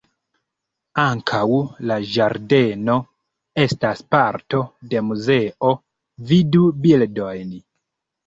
Ankaŭ la ĝardeno estas parto de muzeo, vidu bildojn.